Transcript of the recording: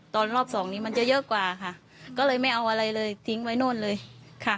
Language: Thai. รอบสองนี้มันจะเยอะกว่าค่ะก็เลยไม่เอาอะไรเลยทิ้งไว้โน่นเลยค่ะ